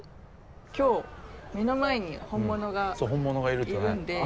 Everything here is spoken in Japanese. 今日目の前に本物がいるんで。